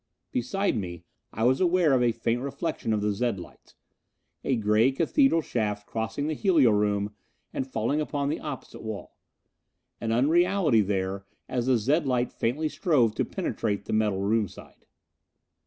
Beside me, I was aware of a faint reflection of the zed light a gray Cathedral shaft crossing the helio room and falling upon the opposite wall. An unreality there, as the zed light faintly strove to penetrate the metal room side.